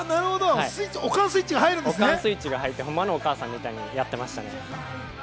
オカンスイッチが入って、ホンマのお母さんみたくやってました。